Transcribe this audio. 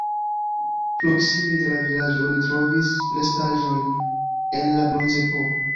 Proksime de la vilaĝo oni trovis restaĵojn el la bronzepoko.